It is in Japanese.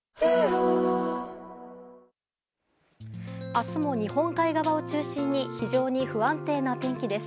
明日も日本海側を中心に非常に不安定な天気です。